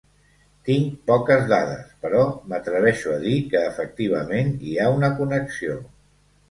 Tinc poques dades, però m’atreveixo a dir que efectivament hi ha una connexió.